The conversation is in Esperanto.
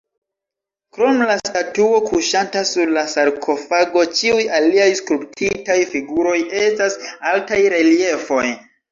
Krom la statuo kuŝanta sur la sarkofago, ĉiuj aliaj skulptitaj figuroj estas altaj reliefoj.